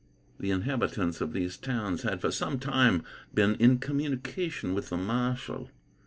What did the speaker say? The inhabitants of these towns had, for some time, been in communication with the marshal.